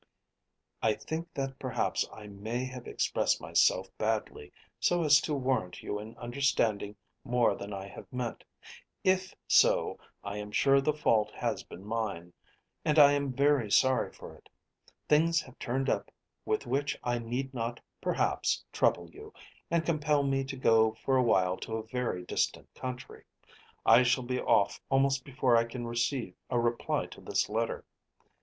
I think that perhaps I may have expressed myself badly so as to warrant you in understanding more than I have meant. If so, I am sure the fault has been mine, and I am very sorry for it. Things have turned up with which I need not perhaps trouble you, and compel me to go for a while to a very distant country. I shall be off almost before I can receive a reply to this letter.